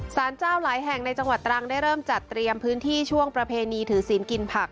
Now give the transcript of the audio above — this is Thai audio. สารเจ้าหลายแห่งในจังหวัดตรังได้เริ่มจัดเตรียมพื้นที่ช่วงประเพณีถือศีลกินผัก